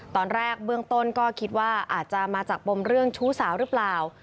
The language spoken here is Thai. ตอนแรกเบื้องต้นก็คิดว่าอาจจะมาจากปมเรื่องชู้สาวหรือเปล่า